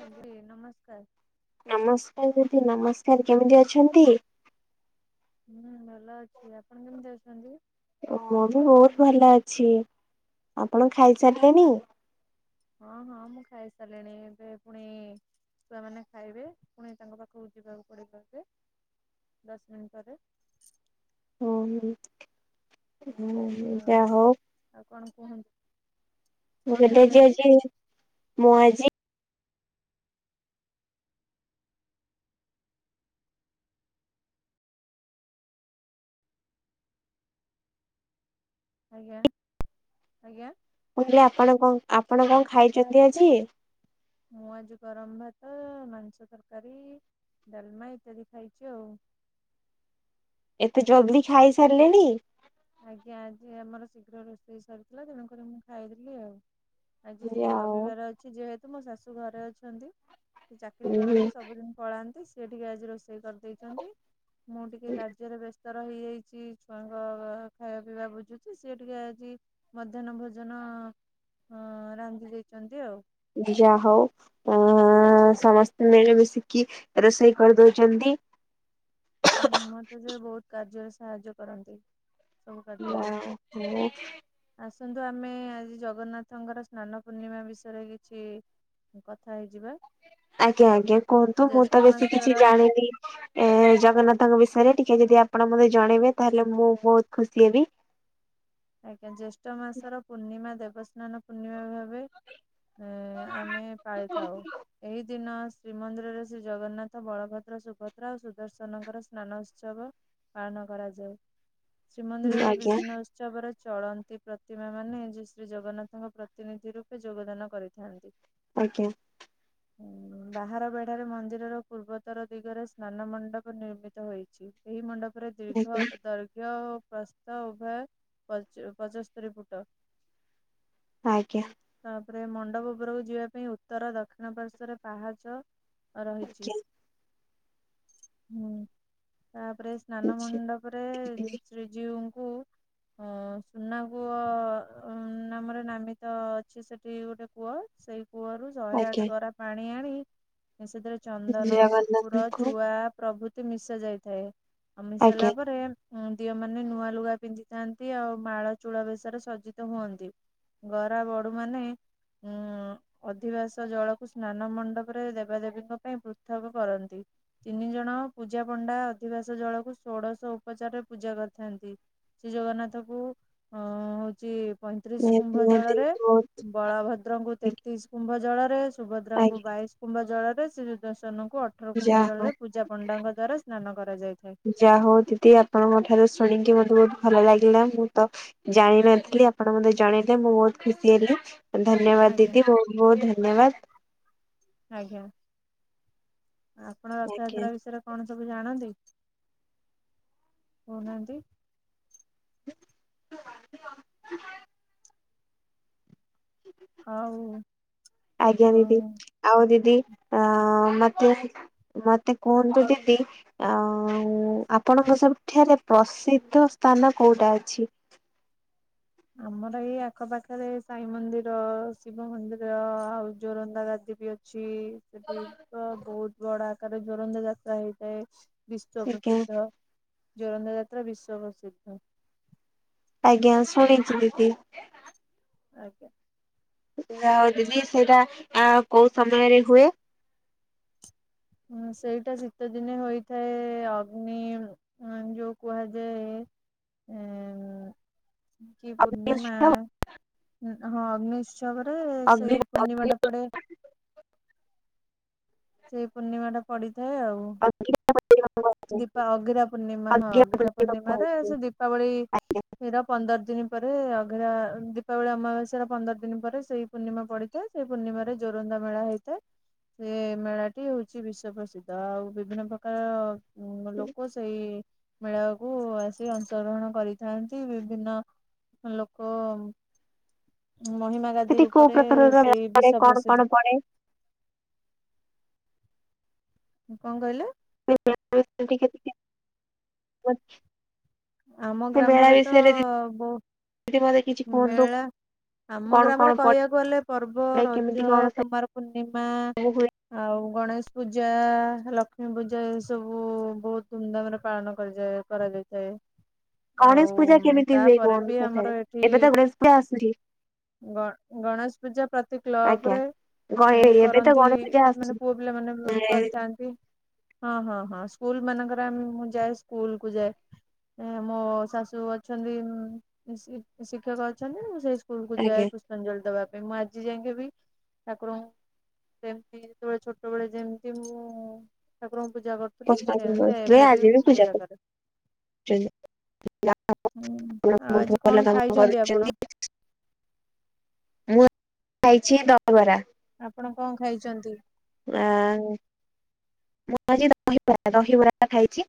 ଆଗେ ନମସ୍କାର। ନମସ୍କାର ଦିଦି ନମସ୍କାର କେମିତି ଅଛନ୍ତି? ହୁଁ ଭଲ ଅଛି ଆପଣ କେମିତି ଅଛନ୍ତି? ଓ ମୁଁ ବି ବୋହୁତ ଭଲ ଅଛି ଆପଣ ଖାଇ ସାରିଲେଣି? ହଁ ହଁ ମୁଁ ଖାଇ ସାରିଲିଣି ଏବେ ପୁଣି ଛୁଆମାନେ ଖାଇବେ ପୁଣି ତାଙ୍କ ପାଖକୁ ଯିବାକୁ ପଡ଼ିବ ଏବେ ଦଶ ମିନଟ୍ ପରେ। ଓହୋ [unintelligible] ହଁ। ଯାହୋଉ ଆଉ କଣ କୁହନ୍ତୁ। ମୁଁ କଣ କହିଲି ଖାଇଲେ ଆଜି ଆଜି ମୁଁ ଆଜି ଆଜ୍ଞା ଆଜ୍ଞା? ମୁଁ କହିଲି ଆପଣ କଣ ଆପଣ କଣ ଖାଇଚନ୍ତି ଆଜି? ମୁଁ ଆଜି ଗରମ ଭାତ, ମାଂସ ତରକାରୀ, ଡାଲମା ଇତ୍ୟାଦି ଖାଇଚି ଆଉ। ଏତେ ଜଲ୍ଦି ଖାଇ ସାରିଲେଣି। ଆଜ୍ଞା ଆଜି ଆମର ଶୀଘ୍ର ରୋଷେଇ ସରିଥିଲା ତେଣୁକରି ମୁଁ ଖାଇଦେଲି ଆଉ। ଆଜି ସେ ଯା ହଉ ରବିବାର ଅଛି ଯେହେତୁ ମୋ ଶାଶୁ ଘରେ ଅଛନ୍ତି ସେ ଚାକିରି ଉହୁଁ କରନ୍ତି ସବୁଦିନ ପଳାନ୍ତି ସେ ଟିକେ ଆଜି ରୋଷେ ଷେଇ କରିଦେଇଚନ୍ତି ମୁଁ ଟିକେ କାର୍ଯ୍ୟରେ ବ୍ୟସ୍ତ ରହି ଯାଇଛି ଛୁଆଙ୍କ ଖାଇବା ପିଇବା ବୁଝୁଚି ସିଏ ଟିକେ ଆଜି ମଧ୍ୟାହ୍ନ ଭୋଜନ ଅଁ ରାନ୍ଧି ଦେଇଚନ୍ତି ଆଉ। ଦି ଯାହୋଉ ଆ ସମସ୍ତେ ମିଳିମିଶିକି ରୋଷେଇ କରିଦୋଉଛନ୍ତି। ହୁଁ ମତେ ଯେ ବହୁତ କାର୍ଯ୍ୟରେ ସାହାଯ୍ୟ କରନ୍ତି। ସବୁ କାର୍ଯ୍ୟରେ। ଯା ହଉ ଆସନ୍ତୁ ଆମେ ଆଜି ଜଗନ୍ନାଥଙ୍କର ସ୍ନାନ ପୂର୍ଣ୍ଣିମା ବିଷୟରେ କିଛି କଥା ହେଇଯିବା। ଆଜ୍ଞା ଆଜ୍ଞା କୁହନ୍ତୁ, ମୁଁ ତ ଜ୍ୟେଷ୍ଠ ବେଶୀ କିଛି ମାସର ଜାଣିନି ଏ ଜଗନ୍ନାଥଙ୍କ ବିଷୟରେ ଟିକେ ଯଦି ଆପଣ ମୋତେ ଜଣେଇବେ ତାହେଲେ ମୁଁ ବହୁତ ଖୁସି ହେବି। ଆଜ୍ଞା, ଜ୍ୟେଷ୍ଠ ମାସର ପୂର୍ଣ୍ଣିମା ଦେବସ୍ନାନ ପୂର୍ଣ୍ଣିମା ଭାବେ ଏ ଆମେ ପାଳିଥାଉ, ଏହି ଦିନ ଶ୍ରୀମନ୍ଦିରରେ ଶ୍ରୀ ଜଗନ୍ନାଥ ବଳଭଦ୍ର ସୁଭଦ୍ରା ଓ ସୁଦର୍ଶନଙ୍କର ସ୍ନାନ ଉତ୍ସବ ପାଳନ କରାଯାଏ, ଶ୍ରୀମନ୍ଦିରର ଆଜ୍ଞା ବିଭିନ୍ନ ଉ ଉତ୍ସବରେ ଚଳନ୍ତି ପ୍ରତିମା ମାନେ ଯେ ଶ୍ରୀ ଜଗନ୍ନାଥଙ୍କ ପ୍ରତିନିଧି ରୂପେ ଯୋଗଦାନ କରିଥାନ୍ତି। ଆଜ୍ଞା। ଉଁ ବାହାର ବେଢାରେ ମନ୍ଦିରର ପୂର୍ବୋତର ଦିଗରେ ସ୍ନାନ ମଣ୍ଡପ ନିର୍ମିତ ହୋଇଛି। ଏହି ମଣ୍ଡପରେ ଦୀର୍ଘ ଆଜ୍ଞା ଦୈର୍ଘ୍ୟ ପ୍ରସ୍ଥ ଉଭୟ ପ ପଚସ୍ତରୀ ଫୁଟ। ଆଜ୍ଞା। ତାପରେ ମଣ୍ଡପ ଉପରକୁ ଯିବା ପାଇଁ ଉତ୍ତର ଦକ୍ଷିଣ ପାର୍ଶ୍ଵରେ ପାହାଚ ରହିଛି, ହୁଁ ତାପରେ ସ୍ନାନ ଆଜ୍ଞା। ମଣ୍ଡପରେ ଶ୍ରୀଜୀଉଙ୍କୁ ଅ ସୁନା କୂଅ ନାମରେ ନାମିତ ଅଛି ସେଠି ଗୋଟେ କୂଅ ସେଇ କୂଅରୁ ଶହେ ଆଜ୍ଞା ଆଠ ଗରା ପାଣି ଆଣି, ସେଥିରେ ଚନ୍ଦନ କର୍ପୁର ଜଗନ୍ନାଥଙ୍କୁ ଚୁଆ ପ୍ରଭୃତି ମିଶା ଯାଇଥାଏ, ଆଉ ଆଜ୍ଞା ମିଶାଇଲା ପରେ ଦିଅ ମାନେ ନୂଆ ଲୁଗା ପିନ୍ଧିଥାନ୍ତି, ଆଉ ମାଳ ଚୂଳ ବେଶରେ ସଜିତ ହୁଅନ୍ତି। ଗରା ବଡୁ ମାନେ ଉଁ ଅଧିବାସ ଜଳକୁ ସ୍ନାନ ମଣ୍ଡପରେ ଦେବାଦେବୀଙ୍କ ପାଇଁ ପୃଥକ କରନ୍ତି। ତିନି ଜଣ ପୂଜା ପଣ୍ଡା ଅଧିବାସ ଜଳକୁ ଷୋଡଶ ଉପଚାରରେ ପୂଜା କରିଥାନ୍ତି। ଶ୍ରୀ ଜଗନ୍ନାଥ କୁ ଉଁ ହଉଛି ପଇଁତିରିଶ ନିହାତି କୁମ୍ଭ ନିହାତି ଜଳରେ ବହୁତ ବଳଭଦ୍ରଙ୍କୁ ତେତିଶ କୁମ୍ଭ ଜଳ ରେ, ସୁଭଦ୍ରାଙ୍କୁ ଆଜ୍ଞା ବାଇଶ କୁମ୍ଭ ଜଳରେ ଶ୍ରୀ ଦର୍ଶନଙ୍କୁ ଅଠର ଯା କୁମ୍ଭ ହଉ ଜଳରେ ପୂଜା ପଣ୍ଡାଙ୍କ ଦ୍ଵାରା ସ୍ନାନ କରାଯାଇଥାଏ। ଯାହା ହଉ ଦିଦି ଆପଣଙ୍କ ଠାରୁ ଶୁଣିକି ମତେ ବହୁତ ଭଲ ଲାଗିଲା, ମୁଁ ତ ଜାଣିନଥିଲି ଆପଣ ମତେ ଜଣେଇଲେ ମୁଁ ବହୁତ ଖୁସି ହେଲି। ଧନ୍ୟବାଦ ଆଜ୍ଞା ଦିଦି ବହୁତ ବହୁତ ଧନ୍ୟବାଦ। ଆଜ୍ଞା। ଆପଣ ଆଜ୍ଞା। ରଥଯାତ୍ରା ବିଷୟରେ କଣ ସବୁ ଜାଣନ୍ତି କହୁନାହାନ୍ତି? ଆଉ ଆଜ୍ଞା ଦିଦି। ହଁ ଆଉ ଦିଦି ଅଁ ମତେ ମତେ କୁହନ୍ତୁ ଦିଦି ଆ ଉ ଆପଣଙ୍କ ସବୁଠାରେ ପ୍ରସିଦ୍ଧ ସ୍ଥାନ କୋଉଟା ଅଛି? ଆମର ଏଇ ଆଖପାଖରେ ସାଇ ମନ୍ଦିର, ଶିବ ମନ୍ଦିର ଆଉ ଜୋରନ୍ଦା ଗାଦି ବି ଅ ଅଛି ସେଠି ତ ବହୁତ ବଡ ଆକାର ଜୋରନ୍ଦା ଯାତ୍ରା ହେଇଥାଏ। ବିଶ୍ୱ ଆଜ୍ଞା ପ୍ରସିଦ୍ଧ ଜୋରନ୍ଦା ଯାତ୍ରା ବିଶ୍ଵ ପ୍ରସିଦ୍ଧ। ଆଜ୍ଞା ଶୁଣିଛି ଦିଦି। ଆଜ୍ଞା। ଆଉ ଦିଦି ସେଇଟା ଆଁ କୋଉ ସମୟରେ ହୁଏ? ହୁଁ ସେଇଟା ଶୀତ ଦିନେ ହୋଇଥାଏ ଅଗ୍ନି ଉଁ ଯୋଉ କୁହାଯାଏ ଏଁ କି ଅଗ୍ନି ପୂର୍ଣ୍ଣିମା ଉତ୍ସବ ହଁ ଅଗ୍ନିଉତ୍ସବରେ ଅଗ୍ନି ସେଇ ପୁର୍ଣିମା ଟା ପଡେ ସେଇ ପୂର୍ଣ୍ଣିମା ଟା ପଡିଥାଏ ଆଉ। [unintelligible] ଦୀପା ଅଗିରା ପୂର୍ଣ୍ଣିମା ହଁ ଅଗିରା ପୂର୍ଣ୍ଣିମା ରେ ସେ ଦୀପାବଳି ର ପନ୍ଦର ଦିନ ପରେ ଅଗିରା ଦୀପାବଳି ଅମାବାସ୍ୟର ପନ୍ଦର ଦିନ ପରେ ସେଇ ପୂର୍ଣ୍ଣିମା ପଡିଥାଏ ସେ ପୂର୍ଣ୍ଣିମାରେ ଜୋରନ୍ଦା ମେଳା ହେଇଥାଏ ସେ ମେଳାଟି ହଉଛି ବିଶ୍ଵ ପ୍ରସିଦ୍ଧ ଆଉ ବିଭିନ୍ନ ପ୍ରକାର ଅ ଲୋକ ସେଇ ମେଳାକୁ ଆସି ଅଂଶ ଗ୍ରହଣ କରିଥାନ୍ତି ବିଭିନ୍ନ ଲୋକ ଅ ମହିମା ଗାଦି ସେଠି କୋଉ ରୂପରେ ପ୍ରକାରର ମେଳା ସେଇ ପଡେ ବିଶ୍ଵ କଣ କଣ ପ୍ରସିଦ୍ଧ ପଡେ କଣ କହିଲେ? [inaudible] ଆମ ସେ ମେଳା ଗ୍ରାମରେ ତ ବିଷୟରେ ଦିଦି ମତେ କିଛି ବହୁ କୁହନ୍ତୁ ମେଳା ଆମ କଣ କଣ ଗ୍ରାମରେ କହିବାକୁ ଗଲେ ପର୍ବ ପଡେ କେମିତି ରଜ, କଣ ସବୁ କୁମାର ପୂର୍ଣ୍ଣିମା ହୁଏ? ଆଉ ଗଣେଶ ପୂଜା ଲକ୍ଷ୍ମୀ ପୂଜା ଏ ସବୁ ବହୁତ ଧୁମଧାମରେ ପାଳନ କରାଯାଏ। କରାଯାଇଥାଏ। ଆଉ ଗଣେଶ ପୂଜା କେମିତି ହୁଏ ତାପରେ କଣ ବି ସେଠାରେ ଆମର ଏଠି ଏବେ ତ ଗଣେଶ ପୂଜା ଆସୁଛି? ଗ ଗଣେଶ ପୂଜା ପ୍ରତି ଆଜ୍ଞା। କ୍ଲବରେ ଗଣେ ଉଁ ଏବେ ତ କରନ୍ତି ଗଣେଶ ପୂଜା ମାନେ ଆସୁଛି ପୁଅ ପିଲାମାନେ କରିଥାନ୍ତି ହଁ ହଁ ହଁ ସ୍କୁଲ ମାନଙ୍କରେ ଆମ ମୁଁ ଯାଏ ସ୍କୁଲ କୁ ଯାଏ ମୋ ଶାଶୁ ଅଛନ୍ତି ଉଁ ଶିକ୍ଷକ ଅଛନ୍ତି ମୁଁ ସେଇ ସ୍କୁଲକୁ ଯାଏ ଆଜ୍ଞା। ପୁଷ ପୁଷ୍ପାଞ୍ଜଳି ଦବା ପାଇଁ ମୁଁ ଆଜି ଯାକେ ବିି ଠାକୁରଙ୍କୁ ସେମତି ଯେତେବେଳେ ଛୋଟବେଳେ ଯେମତି ମୁଁ ଠାକୁରଙ୍କୁ ପୂଜା କରୁ ସେମିତି ଏବେ ବି ମୁଁ ପୂଜା କରେ। ଯାହା ହୁଁ ହଉ ଆଉ ଆଜି ବହୁତ ଭଲ କଣ କାମ ଖାଇଛନ୍ତି ଆପଣ କରୁଛନ୍ତି। ମୁଁ ଆଜି ଖାଇଛି ଦହିବରା। ଆପଣ କଣ ଖାଇଛନ୍ତି? ଆ ମୁଁ ଆଜି ଦହିବରା ଦହିବରା ଖାଇଛି।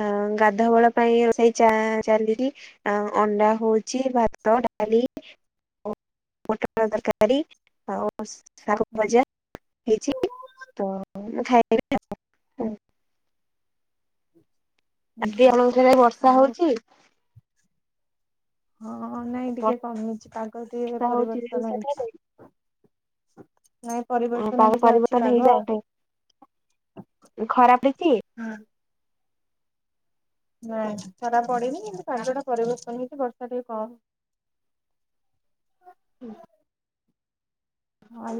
ଅ ଗାଧୁଆବଳ ପାଇଁ ରୋଷେଇ ଚା ଚାଲିଛି ଆ ଅଣ୍ଡା ହଉଛି ଭାତ ଡାଲି ମଟ ତରକାରୀ। ଆଉ ଶାଗ ହୁଁ ଭଜା ହେଇଛି ତ ମୁଁ ଖାଇନେବି। ଆଜି ହୁଁ ଆମ ଥରେ ବର୍ଷା ହଉ ହଉଛି। ହଁ ନାଇଁ ବର୍ଷା ଟିକେ କମିଛି ପାଗ ଟିକେ ବର୍ଷା ହଉଛି ଯେ ପରିବର୍ତ୍ତନ ସେଠାରେ ହେଇଛି। ନାଇଁ। ପରିବର୍ତ୍ତନ ପାଗ ଟିକେ ଅଛି ପରିବର୍ତ୍ତନ ପାଗ ହେଇଯାଏ ଖରା ପଡିଛି ହଁ। ନାଇଁ ଖରା ପଡନି କିନ୍ତୁ ପାଗଟା ପରିବର୍ତ୍ତନ ହେଇଛି ବର୍ଷା ଟିକେ କମ ହୁଁ। ହଁ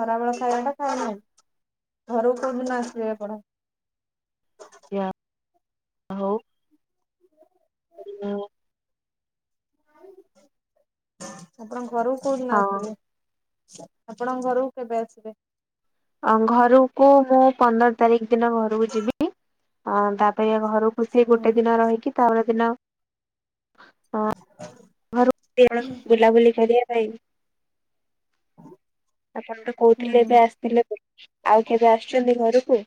ଖରାବେେଳ ଖାଇବାଟା ଖାଇ ନାହିଁ ଘରକୁ କୋଉ ଦିନ ଆସିବେ ଆପଣ? ୟା ଆଉ ଏଇନା ଆଉ ଆପଣ ଘରକୁ କୋଉଦିନ ଆସିବେ? ଆପଣଙ୍କ ଘରକୁ କେବେ ଆସିବେ? ଆଁ ଘରକୁ ମୁଁ ପନ୍ଦର ତାରିଖ ଦିନ ଘରକୁ ଯିବି ଅ ତାପରେ ଘରକୁ ଖୁସି ହୁଁ ଗୋଟେ ଦିନ ରହିକି ତାପର ଦିନ ଅ ବୁଲାବୁଲି କରିବା ପାଇଁ ହଁ। ଆପଣ ତ କହୁଥିଲେ ଏବେ ଆସିଥିଲେ ବୋଲି ଆଉ କେବେ ଆସୁଛନ୍ତି ଘରକୁ?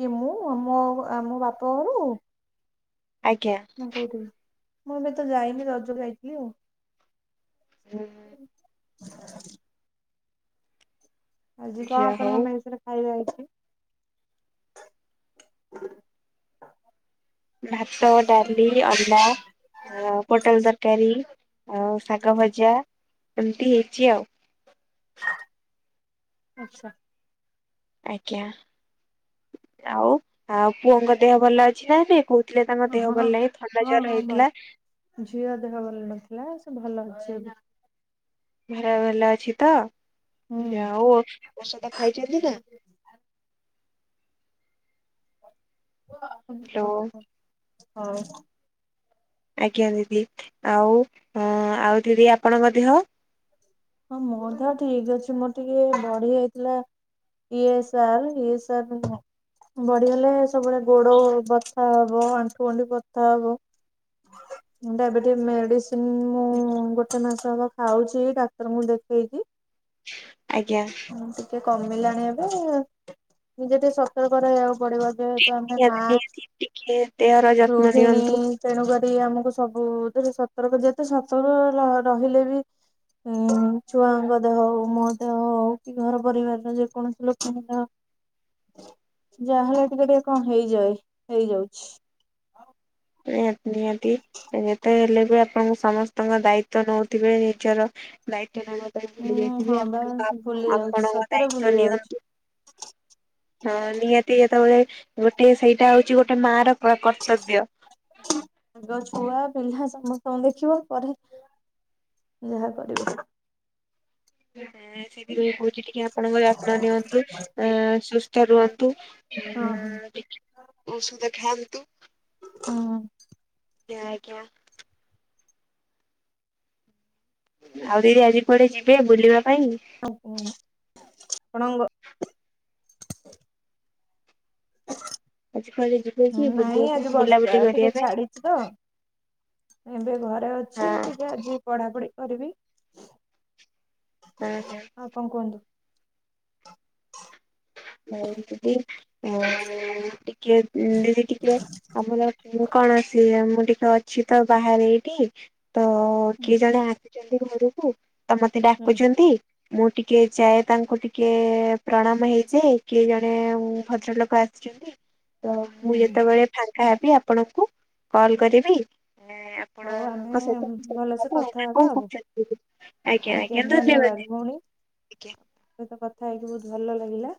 କି ମୁଁ ମୋ ମୋ ବାପଘରକୁ? ଆଜ୍ଞା। ମୁଁ କଉଥିଲି ମୁଁ ଏବେ ତ ଯାଇନି ରଜ ଯାଇଥିଲି ଆଉ ହୁଁହୁଁ। ଆଜି କଣ ଯା ଆପଣଙ୍କ ହଉ ମେଷରେ ଖାଇବା ଅଛି? ଭାତ ଡାଲି ଅଣ୍ଡା। ଆ ପୋଟଳ ତରକାରୀ ଆଉ ଶାଗ ଭଜା ଏମତି ହେଇଛି ଆଉ। ଆଛା। ଆଜ୍ଞା ଆଉ ଆଉ ପୁଅଙ୍କ ଦେହ ଭଲ ଅଛି ନାଦି କହୁ ଥିଲେ ତାଙ୍କ ଦେହ ହଁ ଭଲ ନାହିଁ ଥଣ୍ଡା ହଁ ଜର ହଁ ଭଲ। ହେଇଥିଲା। ଝିଅ ଦେହ ଭଲ ନଥିଲା ସେ ଭଲ ଅଛିବେ। ଭରା ଭଲ ଅଛି ତ ହୁଁ। ଯାଆଉ ଔଷଧ ଖାଇଛନ୍ତି ନା। ହ୍ୟାଲୋ [unintelligible] ହଉ ଆଜ୍ଞା ଦିଦି ଆଉ ହଁ ଆଉ ଦିଦି ଆପଣଙ୍କ ଦେହ? ହଁ ମୋର ତ ଠିକ ଅଛି ମୋର ଟିକେ ବଢିଆ ଯାଇଥିଲା। ଏଇଏ ସାର୍ ଇଏ ସାର୍ ନୁହଁ। ବଢି ହେଲେ ସବୁବେଳେ ଗୋଡ ବଥା ହବ ଆଣ୍ଠୁ ଗଣ୍ଠି ବଥା ହବ। ହୁଣ୍ଡା ମେଡିସିନ୍ ହୁଁ। ତିନି ମାସ ହବ ଖାଉଛି। ଡାକ୍ତରଙ୍କୁ ଦେଖେଇକି। ଆଜ୍ଞା। ଉ ଟିକେ କମିଲାଣି ଏବେ ନିଜେ ଟିକେ ସତର୍କ ରହିବାକୁ ପଡିବ। ଯେଉତୁ ଆମେ ମା ନିହାତି ନିହାତି ଟିକେ ଦେହର ଯତ୍ନ ଗୃହିଣୀ। ନିଅନ୍ତୁ ତେଣୁ କରି ଆମକୁ ସବୁତ୍ରୁ ଦେ ସତର୍କ ଦିଏ ତ ସତର୍କ ରହିଲେ ବି। ହୁଁ ଛୁଆଙ୍କ ଦେହ ହଉ ମୋ ଦେହ ହଉ କି ଘର ପରିବାରର ଯେକୌଣସି ଲୋକଙ୍କର ହ ଯାହେଲେ ଟିକେ ଟିକେ କଣ ହେଇଯାଏ ହେଇଯାଉଛି। ନିହା ଏ ହେଲେ ବି ଆପଣଙ୍କୁ ସମସ୍ତଙ୍କ ଦାୟିତ୍ଵ ନଉଥିବେ। ନିଜର ଦାୟିତ୍ବ ନଉନ। ଭୁଲି ମୁଁ ଯାଇଥିବେ ହଁ ବା ଆପଣ ଭୁଲି ଯାଉଛି ଆପଣଙ୍କ ସତରେ ଦାୟିତ୍ଵ ଭୁଲି ଯାଉଛି। ନିଅନ୍ତୁ। ହଁ ନିହାତି ଯେତେବେଳେ ଗୋଟେ ସେଇଟା ହଉଛି ଗୋଟେ ମା ର କର୍ତ୍ତବ୍ୟ। ତା ଛୁଆ ପିଲା ସମସ୍ତଙ୍କୁ ଦେଖିବ ପରେ। ଯାହା କରିବି। ସେ ଟିକେ ଭୋଜିଟେ। ଟ ଆପଣଙ୍କ ଯତ୍ନ ନିଅନ୍ତୁ ଆ ସୁସ୍ଥ ରୁହନ୍ତୁ। ହଁ ହଁ ଔଷଧ ଖାଆ ହୁଁ। ଆଜ୍ଞା ଆଜ୍ଞା। ଆଉ ଦିଦି ଆଜି ପଡେ ଯିବେ ବୁଲିବା ପାଇଁ। ଆପଣଙ୍କ। ଆଜି କୁଆଡେ ଯିବେ କି ବୁଲିବା ନାଇଁ ଆଜି ପାଇଁ ବୁଲାବୁଲି ବର୍ଷା ଟିକେ କରିବା ପାଇଁ ଛାଡିଛି ତ। ଏବେ ଘରେ ଅଛି ହଁ ଟିକ ଆଜି ପଢାପଢି କରିବି। ହୁଁ ହୁଁ। ହଁ କଣ କୁହନ୍ତୁ। ହ ଯଦି ଉଁ। ଟିକେ ଦିଦି ଟିକେ ଆମର ମୁଁ କଣ ଆସି ମୁଁ ଟିକେ ଅ। ଅଛି ତ ବାହାରେ ଏଇଠି ତ ହୁଁ କିଏ ଜଣେ ଆସିଛନ୍ତି ଘରକୁ। ତ ମତେ ହୁଁ ଡାକୁଛନ୍ତି ମୁଁ ଟିକେ ଯାଏ ତାଙ୍କୁ ଟିକେ ପ୍ରଣାମ ହେଇ। ଯେ କିଏ ଜଣେ ଭଦ୍ରଲୋକ ଆସିଛନ୍ତି ତ ହୁଁ ମୁଁ ହୁଁ ଯେତେବେଳେ। ଫାଙ୍କା ହେବି ଆପଣଙ୍କୁ କଲ୍ କରିବି। ହଉ ଆମେ ଆପଣଙ୍କ ସହିତ ଭଲସେ କଥା ହେବା କଣ ଆଉ। କହୁଛନ୍ତି ଆଜ୍ଞା ଧନ୍ୟବାଦ ଭଉଣୀ ଆଜ୍ଞା ଆ ସହିତ କଥା ହେଇକି ବହୁତ ଭଲ ଲାଗିଲା।